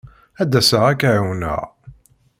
Ad d-asaɣ ad k-ɛiwneɣ.